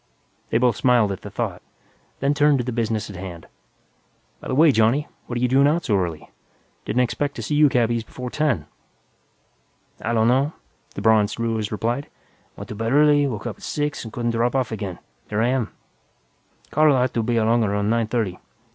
They both smiled at the thought, then turned to the business at hand. "By the way, Johnny, what're you doing out so early? Didn't expect to see you cabbies before ten." "I donno," the bronzed Ruiz replied. "Went to bed early, woke up at six and couldn't drop off again. And here I am. Carl ought to be along around nine thirty.